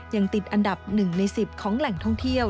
ยังติดอันดับ๑ใน๑๐ของแหล่งท่องเที่ยว